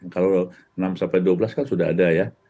kalau enam sampai dua belas kan sudah ada ya